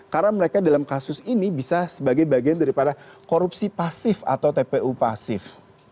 karena mereka dalam kasus ini bisa sebagai bagian daripada korupsi pasif atau tppu pasif